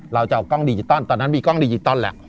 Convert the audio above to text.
เราจะเอากล้องดิจิตอลตอนนั้นมีกล้องดิจิตอลแหละ